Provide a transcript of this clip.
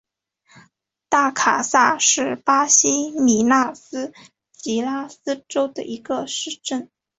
大卡萨是巴西米纳斯吉拉斯州的一个市镇。